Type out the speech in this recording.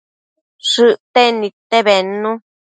Shëcten nidte bednu